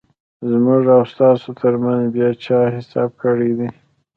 زموږ او ستاسو ترمنځ بیا چا حساب کړیدی؟